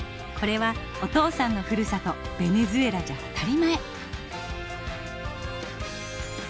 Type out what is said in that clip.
これはお父さんのふるさとベネズエラじゃ当たり前。